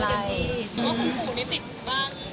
คุณปู่นี่ติดบ้าน